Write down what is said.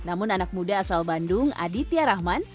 namun anak muda asal bandung aditya rahman